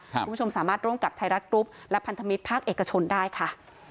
คุณผู้ชมสามารถร่วมกับไทยรัฐกรุ๊ปและพันธมิตรภาคเอกชนได้ค่ะ